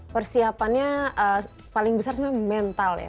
persiapannya paling besar sebenarnya mental ya